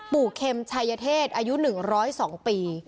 เค็มชายเทศอายุ๑๐๒ปี